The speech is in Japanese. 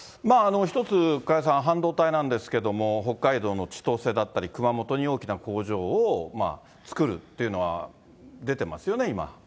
一つ、加谷さん、半導体なんですけども、北海道の千歳だったり、熊本に大きな工場を作るっていうのは出てますよね、今。